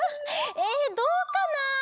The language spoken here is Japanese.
えどうかな？